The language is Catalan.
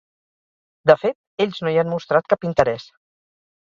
De fet, ells no hi han mostrat cap interès.